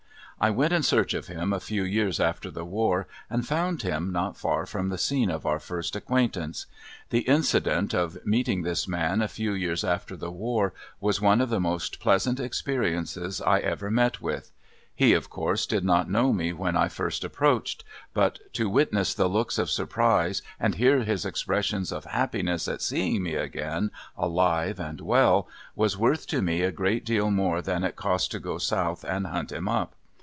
I went in search of him a few years after the war, and found him not far from the scene of our first acquaintance. The incident of meeting this man a few years after the war was one of the most pleasant experiences I ever met with. He, of course, did not know me when I first approached, but to witness the looks of surprise and hear his expressions of happiness at seeing me again, alive and well, was worth to me a great deal more than it cost to go South and hunt him up.